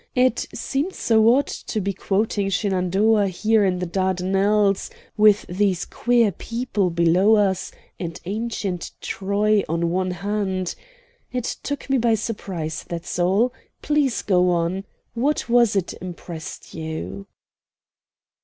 It seemed so odd to be quoting Shenandoah here in the Dardanelles, with these queer people below us and ancient Troy on one hand it took me by surprise, that's all. Please go on. What was it impressed you?"